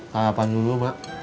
sarapan dulu mak